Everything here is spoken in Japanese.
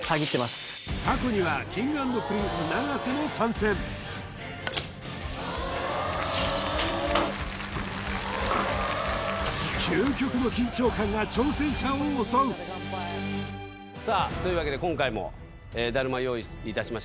過去にはＫｉｎｇ＆Ｐｒｉｎｃｅ永瀬も参戦究極の緊張感が挑戦者を襲うさあというわけで今回もだるま用意いたしました